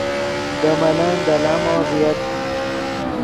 دے ملن دے لامو ڤییت